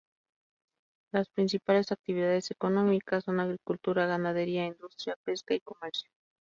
Las principales actividades económicas son agricultura, ganadería, industria, pesca y comercio.